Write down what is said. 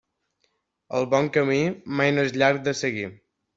El bon camí, mai no és llarg de seguir.